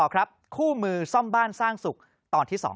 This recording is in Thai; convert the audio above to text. ครับคู่มือซ่อมบ้านสร้างสุขตอนที่๒